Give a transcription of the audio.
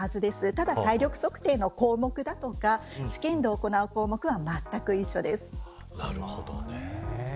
ただ、体力測定の項目だとか試験で行う項目はなるほどね。